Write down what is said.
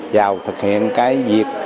vào thực hiện cái việc kích hoạt